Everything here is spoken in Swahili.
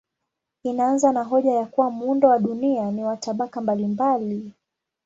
Inaanza na hoja ya kuwa muundo wa dunia ni wa tabaka mbalimbali.